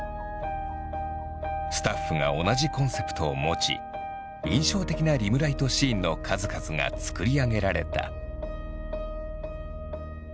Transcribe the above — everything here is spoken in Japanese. スタッフが同じコンセプトを持ち印象的なリムライトシーンの数々がつくり上げられた。